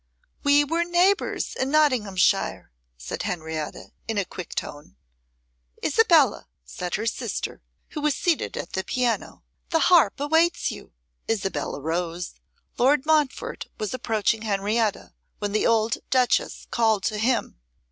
'We were neighbours in Nottinghamshire,' said Henrietta, in a quick tone. 'Isabella,' said her sister, who was seated at the piano, 'the harp awaits you.' Isabella rose, Lord Montfort was approaching Henrietta, when the old duchess called to him.